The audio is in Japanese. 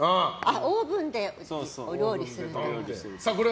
オーブンでお料理するってこと？